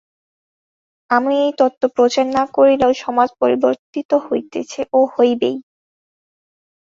আমি এই তত্ত্ব প্রচার না করিলেও সমাজ পরিবর্তিত হইতেছে ও হইবেই।